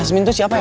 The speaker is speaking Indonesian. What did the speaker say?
aduh betul betul